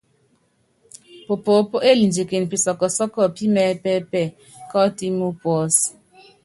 Pupoopó élindiken pisɔ́ɔ́ kɔsɔ́ɔ́kɔ pí mɛɛ́pɛ́pɛ bɔ́ ɔtɛ́m ú puɔ́s.